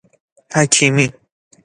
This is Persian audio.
حکیمی